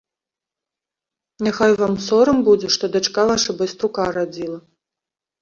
Няхай вам сорам будзе, што дачка ваша байструка радзіла.